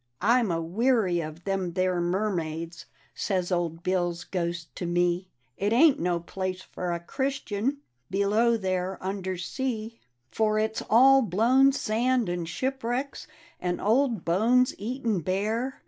'"' I'm a weary of them there mermaids,' Says old Bill's ghost to me; ' It ain't no place for a Christian Below there — under sea. For it's all blown sand and shipwrecks And old bones eaten bare.